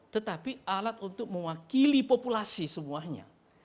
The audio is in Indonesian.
tetapi alat untuk mewakili populasi semuanya